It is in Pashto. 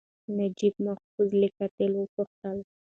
نجیب محفوظ له قاتل وپوښتل.